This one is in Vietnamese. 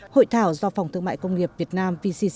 hội thảo do phòng thương mại công nghiệp việt nam